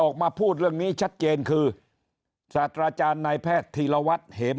ออกมาพูดเรื่องนี้ชัดเจนคือศาสตราจารย์นายแพทย์ธีรวัตรเหม